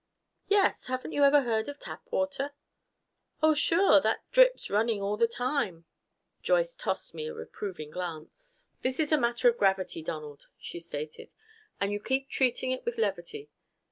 "Yes. Haven't you ever heard of Tapwater?" "Oh, sure! That drip's running all the time!" Joyce tossed me a reproving glance. "This is a matter of gravity, Donald," she stated, "and you keep treating it with levity.